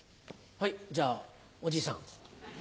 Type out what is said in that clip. じゃあおじいさん。